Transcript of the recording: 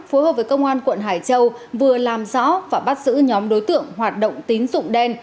phối hợp với công an quận hải châu vừa làm rõ và bắt giữ nhóm đối tượng hoạt động tín dụng đen